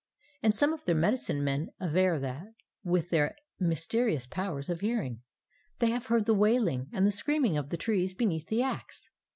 And some of their medicine men aver that, with their mysterious powers of hearing, they have heard the wailing and the screaming of the trees beneath the axe.